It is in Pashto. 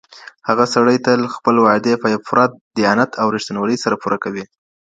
هغه سړی تل خپلي وعدې په پوره دیانت او رښتینولۍ سره پوره کوی.